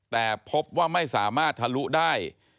แต่พบว่าไม่สามารถทะลุได้